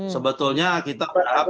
sebetulnya kita berhak